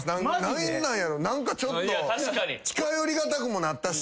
何かちょっと近寄りがたくもなったし。